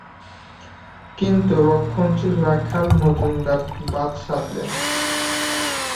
কিন্তু রক্ষণশীল রাখাল মজুমদার বাধ সাধলেন।